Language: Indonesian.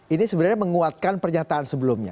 ini sebenarnya menguatkan pernyataan sebelumnya